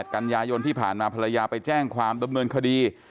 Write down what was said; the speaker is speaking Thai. กันยายนที่ผ่านมาภรรยาไปแจ้งความดำเนินคดี